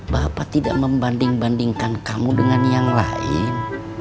bapak tidak membandingkan kamu dengan yang lain